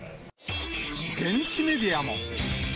現地メディアも。